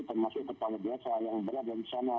termasuk kepala biasa yang berada disana